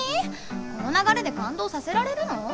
この流れで感動させられるの？